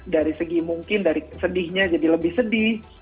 dari segi mungkin dari sedihnya jadi lebih sedih